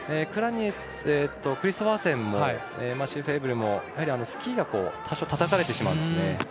クラニェツとクリストファーセンもマチュー・フェブルもスキーが多少たたかれてしまったんですね。